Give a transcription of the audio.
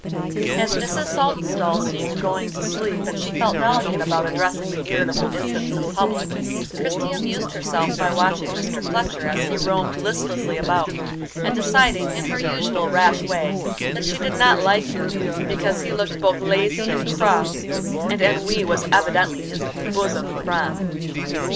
As Mrs. Saltonstall seemed going to sleep and she felt delicate about addressing the irritable infants in public, Christie amused herself by watching Mr. Fletcher as he roamed listlessly about, and deciding, in her usual rash way, that she did not like him because he looked both lazy and cross, and ennui was evidently his bosom friend.